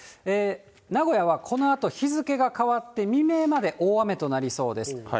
名古屋はこのあと日付が変わって未明まで大雨となりそうです。